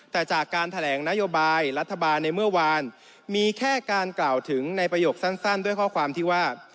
แต่จากการแถลงนโยบายรัฐบาลในเมื่อวานมีแค่การกล่าวถึงในประโยคสั้นด้วยข้อความที่ว่า